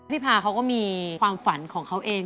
พาเขาก็มีความฝันของเขาเอง